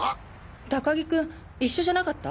高木君一緒じゃなかった？